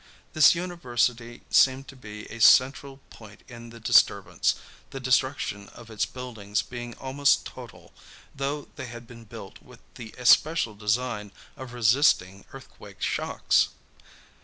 This university seemed to be a central point in the disturbance, the destruction of its buildings being almost total, though they had been built with the especial design of resisting earthquake shocks.